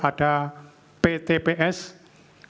saya minta ke mereka